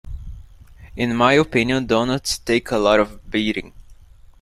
In my opinion, doughnuts take a lot of beating.